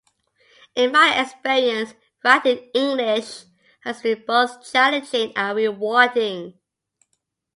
In my experience, writing in English has been both challenging and rewarding.